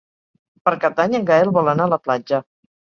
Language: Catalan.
Per Cap d'Any en Gaël vol anar a la platja.